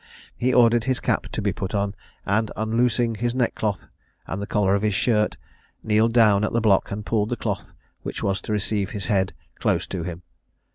He ordered his cap to be put on, and, unloosing his neckcloth and the collar of his shirt, kneeled down at the block, and pulled the cloth which was to receive his head close to him.